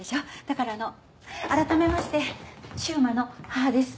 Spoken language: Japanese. だからあの改めまして柊磨の母です